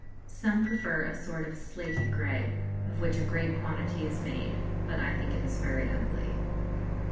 Some prefer a sort of slaty grey, of which a great quantity is made, but I think it is very ugly."